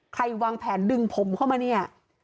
วางแผนดึงผมเข้ามาเนี่ย